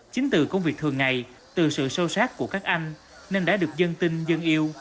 chính từ công việc thường ngày từ sự sâu sát của các anh nên đã được dân tin dân yêu